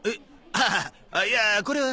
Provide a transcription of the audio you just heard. ああいやこれは。